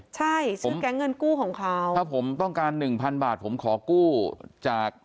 ใช่ซื้อแก๊งเงินกู้ของเขาถ้าผมต้องการหนึ่งพันบาทผมขอกู้จาก